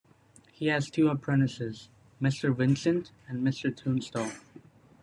He has two apprentices, Mr Vincent and Mr Tunstall.